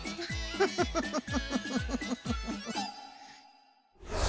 フフフフフ！